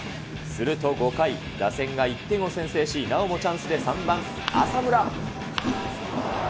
すると５回、打線が１点を先制し、なおもチャンスで３番浅村。